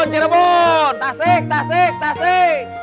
cirebon tasik tasik tasik